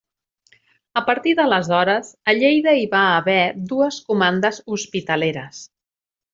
A partir d'aleshores, a Lleida hi va haver dues comandes hospitaleres.